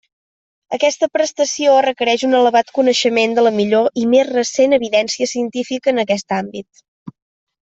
Aquesta prestació requereix un elevat coneixement de la millor i més recent evidència científica en aquest àmbit.